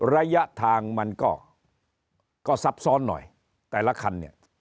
ระยะทางมันก็ซับซ้อนหน่อยแต่ละคันเนี่ย